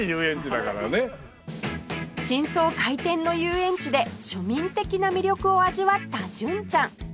新装開店の遊園地で庶民的な魅力を味わった純ちゃん